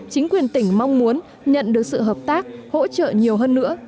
chính quyền tỉnh mong muốn nhận được sự hợp tác hỗ trợ nhiều hơn nữa